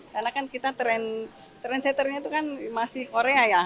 karena trendsetternya itu kan masih korea ya